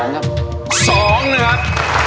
๒นะครับ